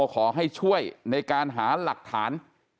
ขอให้ช่วยในการหาหลักฐาน